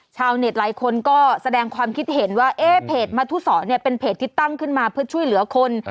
ชาวเน็ตหลายคนก็แสดงความคิดเห็นว่าเอ๊ะเพจมทุศรเนี่ยเป็นเพจที่ตั้งขึ้นมาเพื่อช่วยเหลือคน